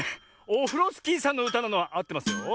オフロスキーさんのうたなのはあってますよ。